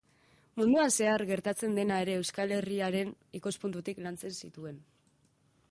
Munduan zehar gertatzen dena ere Euskal Herriaren ikuspuntutik lantzen zituen.